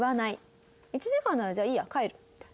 「１時間ならじゃあいいや帰る」って。